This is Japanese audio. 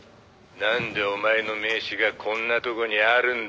「なんでお前の名刺がこんなとこにあるんだ？」